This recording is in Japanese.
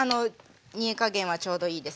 煮え加減はちょうどいいですね。